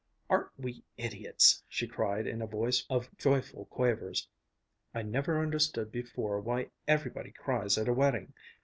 "Aren't we idiots!" she cried in a voice of joyful quavers. "I never understood before why everybody cries at a wedding.